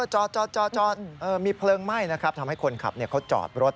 จอดมีเพลิงไหม้นะครับทำให้คนขับเขาจอดรถ